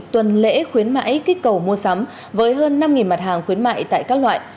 tuần lễ khuyến mãi kích cầu mua sắm với hơn năm mặt hàng khuyến mại tại các loại